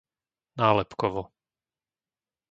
Nálepkovo